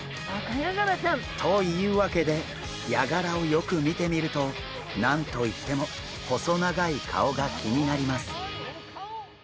というわけでヤガラをよく見てみると何と言っても細長い顔が気になります。